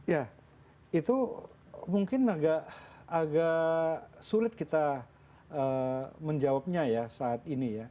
ya itu mungkin agak sulit kita menjawabnya saat ini